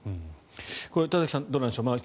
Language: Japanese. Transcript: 田崎さんどうなんでしょう。